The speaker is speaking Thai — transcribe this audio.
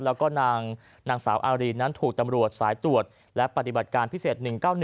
แล้วก็นางสาวอารีนั้นถูกตำรวจสายตรวจและปฏิบัติการพิเศษ๑๙๑